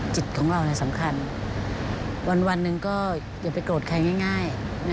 จิตของเราสำคัญ